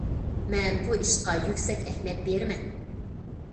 مەن بۇ ئىشقا يۈكسەك ئەھمىيەت بېرىمەن.